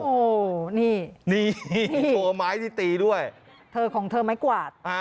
โอ้โหนี่นี่ตัวไม้ที่ตีด้วยเธอของเธอไม้กวาด